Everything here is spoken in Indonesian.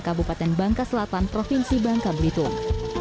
kabupaten bangka selatan provinsi bangka belitung